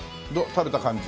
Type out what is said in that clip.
食べた感じ。